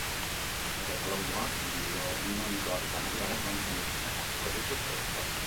Ardo ekologikoak, biodinamikoak eta naturalak lantzen dituztenak hartuko ditu proiektuak.